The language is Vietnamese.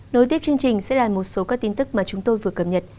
nối tiếp chương trình sẽ là một số các tin tức mà chúng tôi vừa cập nhật